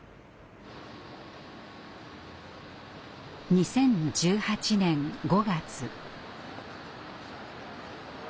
２０１８年５月。